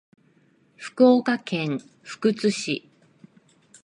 福岡県福津市